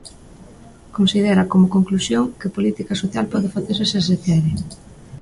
Considera, como conclusión, que "política social pode facerse se se quere".